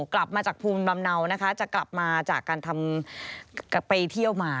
กลับมาจากภูมิลำเนานะคะจะกลับมาจากการไปเที่ยวมา